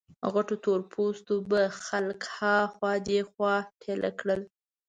غټو تور پوستو به خلک ها خوا دې خوا ټېله کړل.